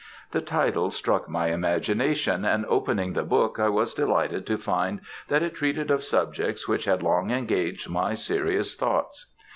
The title struck my imagination, and opening the book I was delighted to find that it treated of subjects which had long engaged my serious thoughts.